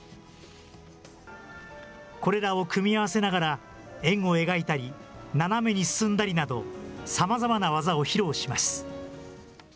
これらを組み合わせながら、円を描いたり、斜めに進んだりなど、さまざまな技を披露します。